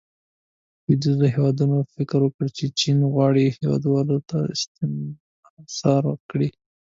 لویدیځو هیوادونو فکر وکړو چې چین غواړي هیوادونه استثمار کړي.